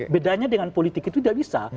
bedanya dengan politik itu tidak bisa